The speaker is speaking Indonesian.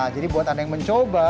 jadi buat anda yang mencoba